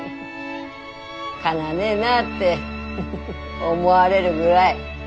かなわねえなってフフフ思われるぐらい。